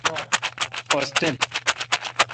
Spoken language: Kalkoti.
اوس تل۔